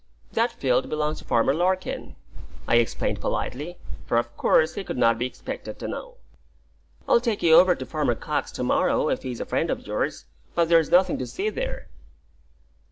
"That field belongs to Farmer Larkin," I explained politely, for of course he could not be expected to know. "I'll take you over to Farmer Cox's to morrow, if he's a friend of yours; but there's nothing to see there."